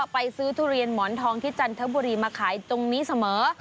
ไปซื้อทุเรียนหมอนทองที่จันทบุรีมาขายตรงนี้เสมอ